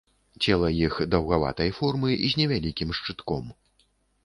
Цела іх даўгаватай формы з невялікім шчытком.